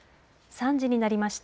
３時になりました。